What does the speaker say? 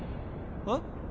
えっ？